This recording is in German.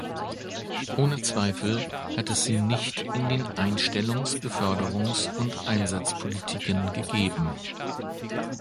Ohne Zweifel hat es sie nicht in den Einstellungs-, Beförderungs- und Einsatzpolitiken gegeben.